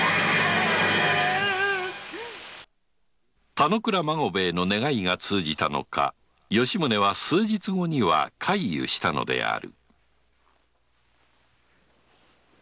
田之倉孫兵衛の願いが通じたのか吉宗は数日後には快癒したのである